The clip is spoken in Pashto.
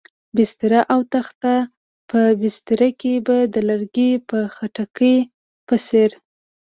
بستره او تخته، په بستره کې به د لرګي په خټکي په څېر.